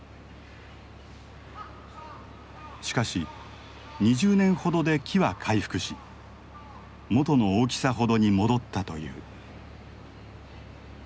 しかし２０年ほどで木は回復し元の大きさほどに戻ったという。